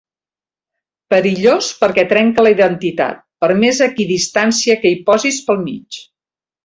Perillós perquè trenca la identitat, per més equidistància que hi posis pel mig.